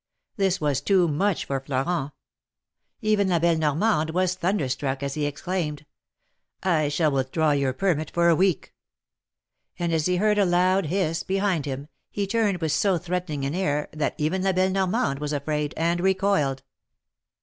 This was too much for Florent. Even La belle Nor mande w^as thunderstruck as he exclaimed :" I shall withdraw your permit for a week !" And as he heard a loud hiss behind him, he turned with so threatening an air, that even La belle Normande was afraid, and recoiled.